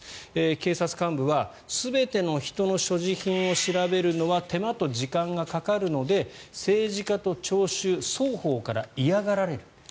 警察幹部は全ての人の所持品を調べるのは手間と時間がかかるので政治家と聴衆双方から嫌がられる。